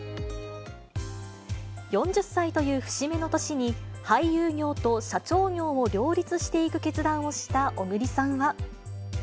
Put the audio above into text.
４０歳という節目の年に、俳優業と社長業を両立していく決断をした小栗さんは。